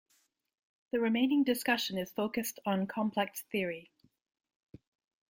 The remaining discussion is focussed on complex -theory.